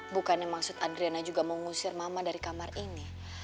bukannya maksud adriana juga mengusir mama dari kamar ini